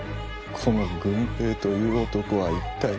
この「郡平」という男は一体。